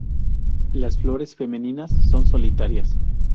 Las flores femeninas son solitarias.